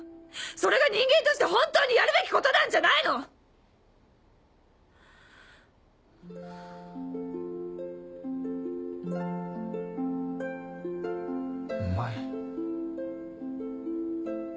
それが人間として本当にやるべきことなんじゃないの‼お前。